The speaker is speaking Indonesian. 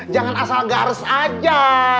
jangan asal gak harus aja